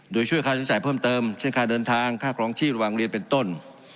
โดยช่วยค่าใช้จ่ายเพิ่มเติมเช่นค่าเดินทางค่าครองชีพระหว่างเรียนเป็นต้น